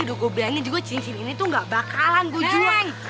udah gue bilangin juga cincin ini tuh gak bakalan gue juang